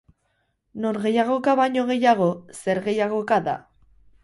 Norgehiagoka baino gehiago, zergehiagoka da.